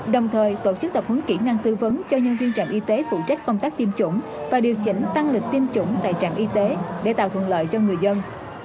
đồng thời tổ chức tập huấn kỹ năng tư vấn cho nhân viên trạm y tế phụ trách công tác tiêm chủng và điều chỉnh tăng lịch tiêm chủng tại trạm y tế để tạo thuận lợi cho người dân